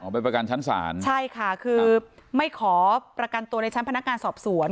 ไปประกันชั้นศาลใช่ค่ะคือไม่ขอประกันตัวในชั้นพนักงานสอบสวน